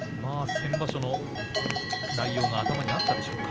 先場所の内容が頭にあったんでしょうか。